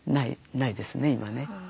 ないですね今ね。